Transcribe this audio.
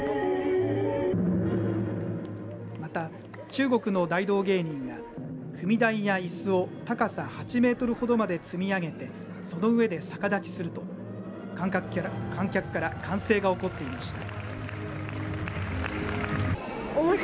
また、中国の大道芸人が踏み台やいすを高さ８メートルほどまで積み上げてその上で逆立ちすると観客から歓声が起こっていました。